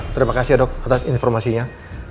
terima kasih dok atas informasinya